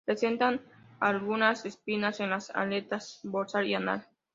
Presentan algunas espinas en las aletas dorsal y anal.